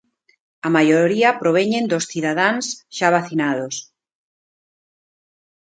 A maioría proveñen dos cidadáns xa vacinados.